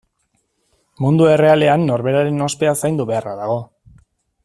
Mundu errealean norberaren ospea zaindu beharra dago.